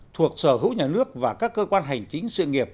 thuộc sở hữu nhà nước và các cơ quan hành chính sự nghiệp